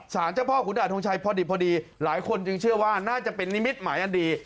เจ้าพ่อขุนด่าทงชัยพอดีหลายคนจึงเชื่อว่าน่าจะเป็นนิมิตหมายอันดี